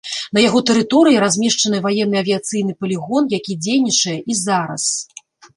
На яго тэрыторыі размешчаны ваенны авіяцыйны палігон, які дзейнічае і зараз.